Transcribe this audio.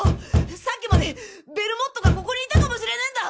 さっきまでベルモットがここにいたかもしれねぇんだ！！